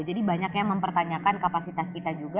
jadi banyak yang mempertanyakan kapasitas kita juga